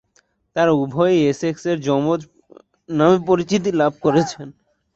তারা উভয়েই এসেক্সের যমজ নামে পরিচিতি লাভ করেছেন।